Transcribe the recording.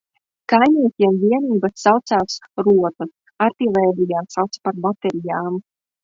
Kājniekiem vienības saucās rotas, artilērijā sauca par baterijām.